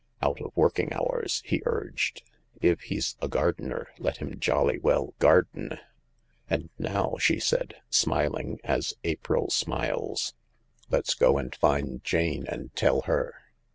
" Out of working hours," he urged. " If he's a gardener, let him jolly well garden." " And now," she said, smiling as April smiles, "let's go and find Jane, and tell her.